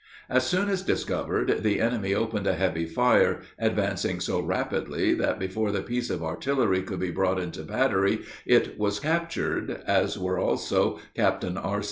As soon as discovered, the enemy opened a heavy fire, advancing so rapidly that before the piece of artillery could be brought into battery it was captured, as were also Captain R.